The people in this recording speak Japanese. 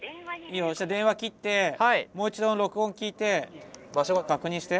いいよそしたら電話切ってもう一度録音聞いて場所は確認して。